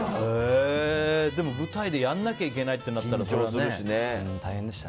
でも舞台でやんなきゃいけないってなったらね。